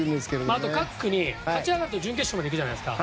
あと各国、勝ち上がると準決勝に行くじゃないですか。